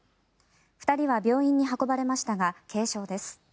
２人は病院に運ばれましたが軽傷です。